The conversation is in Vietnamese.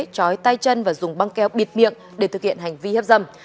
chói tay chân và dùng băng keo bịt miệng để thực hiện hành vi hiếp dâm